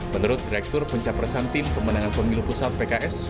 menurut direktur pencapresan tim pemenangan pemilu pusat pks